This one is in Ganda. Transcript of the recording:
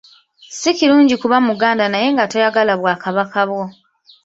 Si kirungi kuba Muganda naye nga toyagala bwakabaka bwo.